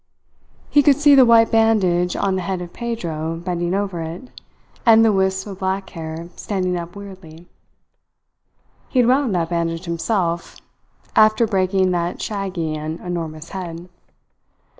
He could see the white bandage on the head of Pedro bending over it, and the wisps of black hair standing up weirdly. He had wound that bandage himself, after breaking that shaggy and enormous head.